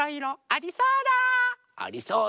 ありそうだ。